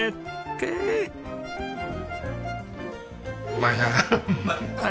うまいなあ。